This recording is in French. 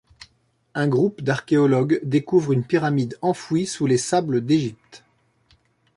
Un groupe d'archéologues découvre une pyramide enfouie sous les sables d'Égypte.